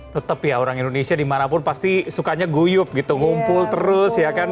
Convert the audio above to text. tetap ya orang indonesia dimanapun pasti sukanya guyup gitu ngumpul terus ya kan